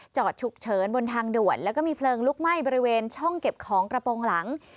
จอดฉุกเฉินบนทางด่วนแล้วก็มีเพลิงลุกไหม้บริเวณช่องเก็บของกระโปรงหลัง